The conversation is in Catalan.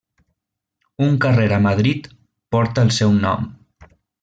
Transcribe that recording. Un carrer a Madrid porta el seu nom.